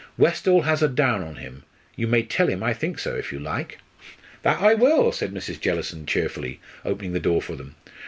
Westall has a down on him. You may tell him I think so, if you like." "That I will," said Mrs. Jellison, cheerfully, opening the door for them.